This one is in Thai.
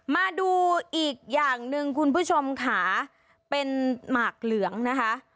มาดูอีกอย่างหนึ่งคุณผู้ชมค่ะเป็นหมากเหลืองนะคะ